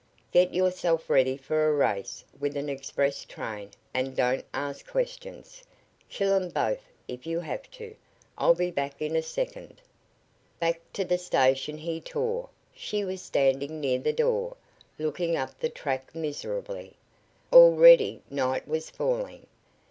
"Get yourself ready for a race with an express train and don't ask questions. Kill 'em both if you have to. I'll be back in a second!" Back to the station he tore. She was standing near the door, looking up the track miserably. Already night was falling.